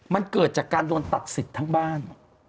มันเกิดจากการโดนตัดสิทธิ์ทั้งบ้าน